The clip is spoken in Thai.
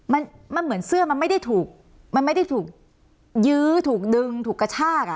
มันมันเหมือนเสื้อมันไม่ได้ถูกมันไม่ได้ถูกยื้อถูกดึงถูกกระชากอ่ะ